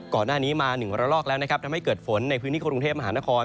ก่อนหน้านี้มา๑ระลอกแล้วนะครับทำให้เกิดฝนในพื้นที่กรุงเทพมหานคร